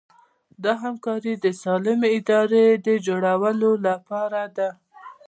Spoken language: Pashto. دا همکاري د سالمې ادارې د جوړولو لپاره ده.